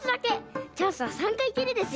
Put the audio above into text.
チャンスは３かいきりですよ。